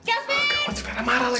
ah diam lah